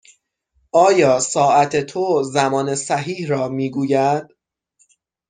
آیا ساعت تو زمان صحیح را می گوید؟